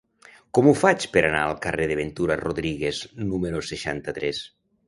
Com ho faig per anar al carrer de Ventura Rodríguez número seixanta-tres?